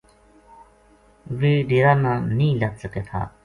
ویہ ڈیرا نا نیہہ لد سکے تھا